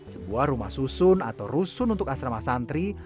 sebuah rumah susun atau rusun untuk asrama santri